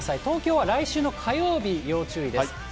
東京は来週の火曜日、要注意です。